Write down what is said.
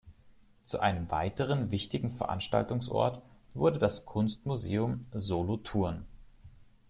Zu einem weiteren wichtigen Veranstaltungsort wurde das Kunstmuseum Solothurn.